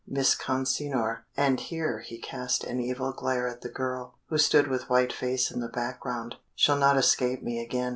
Miss Consinor" and here he cast an evil glare at the girl, who stood with white face in the background "shall not escape me again.